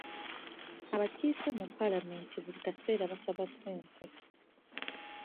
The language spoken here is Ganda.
Abakiise mu paalamenti buli kaseera basaba ssente.